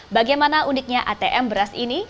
bagaimana uniknya atm beras ini